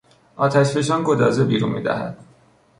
آتشفشان گدازه بیرون میدهد.